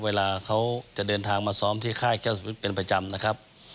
เวลาเขาจะเดินทางมาซ้อมที่ค่ายแก้วสุวิทย์เป็นประจำนะครับ